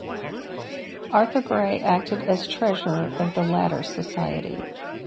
Arthur Gray acted as treasurer of the latter society.